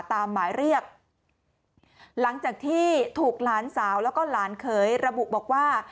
ตามหมายเรียกหลังจากที่ถูกหลานสาวแล้วก็หลานเขยระบุบอกว่า